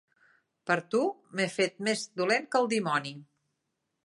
Per a tu m'he fet més dolent que el dimoni.